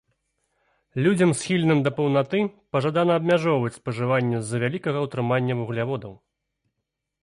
Людзям, схільным да паўнаты, пажадана абмяжоўваць спажыванне з-за вялікага ўтрымання вугляводаў.